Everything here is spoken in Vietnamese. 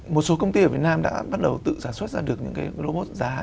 một số công ty ở việt nam đã bắt đầu tự sản xuất ra được những cái robot giá